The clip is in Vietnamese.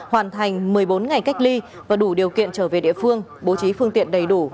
hoàn thành một mươi bốn ngày cách ly và đủ điều kiện trở về địa phương bố trí phương tiện đầy đủ